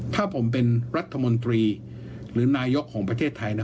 ถ้าผมเป็นรัฐมนตรีหรือนายกของประเทศไทย